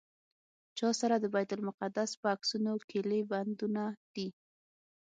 چا سره د بیت المقدس په عکسونو کیلي بندونه دي.